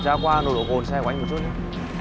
không đi anh cứ xuống không phải chạy không phải chạy